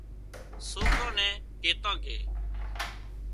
سوڪران نين ڪيتان ڪي